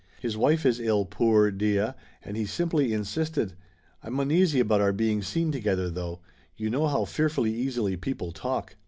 His wife is ill, poor deah, and he simply in sisted! I'm uneasy about our being seen together, though. You know how fearfully easily people talk!"